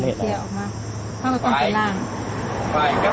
ผ้าแคมนมควรเอาไปเดี๋ยวพี่พี่พูดพวก